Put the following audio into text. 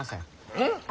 うん？